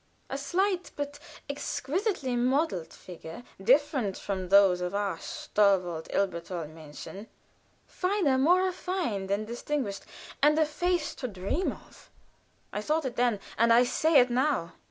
A slight but exquisitely molded figure, different from those of our stalwart Elberthaler Mädchen finer, more refined and distinguished, and a face to dream of. I thought it then, and I say it now.